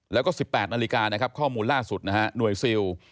แล้วก็๑๘นาฬิกาข้อมูลล่าสุดหน่วยซิล